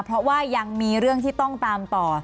เพราะว่ายังมีเรื่องที่ต้องตามต่อ